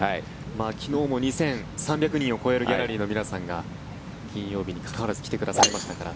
昨日も２３００人を超えるギャラリーの皆さんが金曜日にもかかわらず来てくださいましたから。